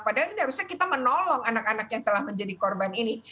padahal ini harusnya kita menolong anak anak yang telah menjadi korban ini